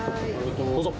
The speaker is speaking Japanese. どうぞ。